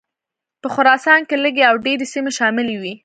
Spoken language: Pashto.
په خراسان کې لږې او ډېرې سیمې شاملي وې.